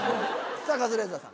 カズレーザーさん。